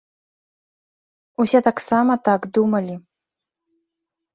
Усе таксама так думалі.